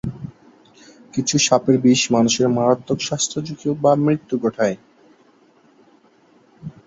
কিছু সাপের বিষ মানুষের মারাত্মক স্বাস্থ্য ঝুঁকি বা মৃত্যু ঘটায়।